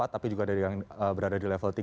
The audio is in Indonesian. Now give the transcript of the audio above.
tapi juga dari yang berada di level tiga